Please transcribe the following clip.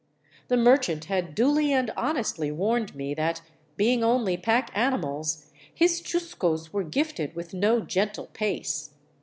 The merchant had duly and honestly warned me that, being only pack animals, his chuscos were gifted with no gentle pace.